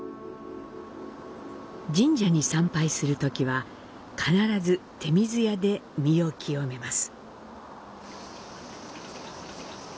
神社に参拝するときは、必ず手水舎で身を清めます。